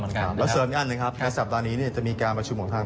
เหมือนกันครับแล้วเสริมกันนะครับในสัปดาห์นี้เนี้ยจะมีการประชุมของทาง